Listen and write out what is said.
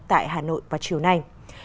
tại hà nội vào chiều nay